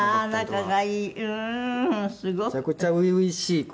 「めちゃくちゃ初々しい頃」